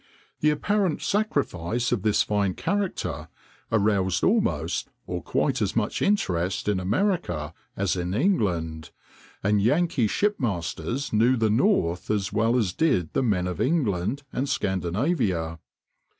The apparent sacrifice of this fine character aroused almost or quite as much interest in America as in England, and Yankee shipmasters knew the north as well as did the men of England and Scandinavia.